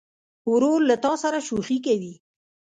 ورور له تا سره شوخي کوي.